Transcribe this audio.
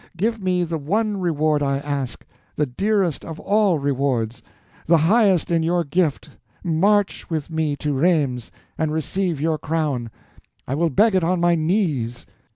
Give me the one reward I ask, the dearest of all rewards, the highest in your gift—march with me to Rheims and receive your crown. I will beg it on my knees."